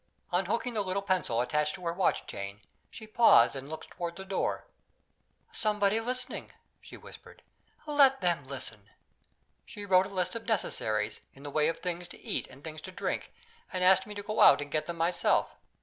Unhooking the little pencil attached to her watch chain, she paused and looked toward the door. "Somebody listening," she whispered. "Let them listen." She wrote a list of necessaries, in the way of things to eat and things to drink, and asked me to go out and get them myself.